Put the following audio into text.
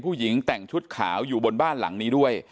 ผู้หญิงแต่งชุดขาวอยู่บนบ้านหลังนี้ด้วย